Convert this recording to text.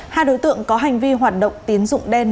hai đối tượng có hành vi hoạt động tiến dụng đen